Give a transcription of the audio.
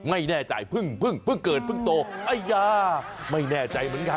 ไม่แน่ใจเพิ่งเพิ่งเพิ่งเกิดเพิ่งโตไม่แน่ใจเหมือนกัน